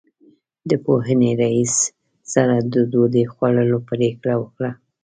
د پوهنې رئیس سره ډوډۍ خوړلو پرېکړه وکړه.